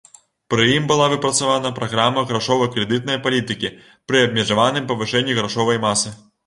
Пры ім была выпрацавана праграма грашова-крэдытнай палітыкі пры абмежаваным павышэнні грашовай масы.